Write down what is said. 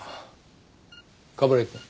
冠城くん。